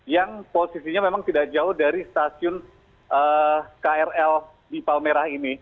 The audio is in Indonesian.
yang posisinya memang tidak jauh dari stasiun krl di palmerah ini